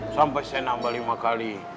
sampai saya nambah lima kali